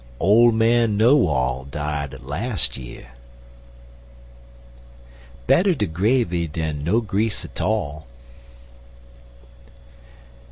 Ole man Know All died las' year. Better de gravy dan no grease 'tall.